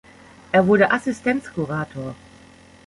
Er wurde Assistenzkurator.